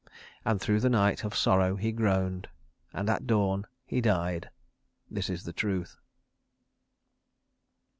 And through the night of sorrow he groaned. And at dawn he died. This is the truth.